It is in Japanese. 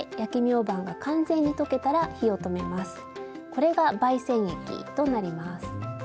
これが媒染液となります。